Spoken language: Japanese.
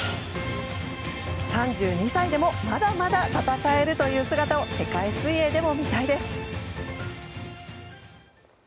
３２歳でもまだまだ戦えるという姿を世界水泳でも見たいです。